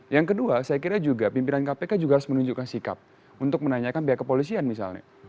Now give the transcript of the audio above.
yang kedua saya kira juga pimpinan kpk juga harus menunjukkan sikap untuk menanyakan pihak kepolisian misalnya